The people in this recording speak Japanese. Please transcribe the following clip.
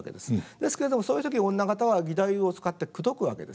ですけどもそういう時女方は義太夫を使ってクドくわけですよね。